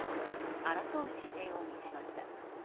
争う姿勢を見せました。